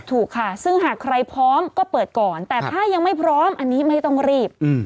ถูกค่ะซึ่งหากใครพร้อมก็เปิดก่อนแต่ถ้ายังไม่พร้อมอันนี้ไม่ต้องรีบ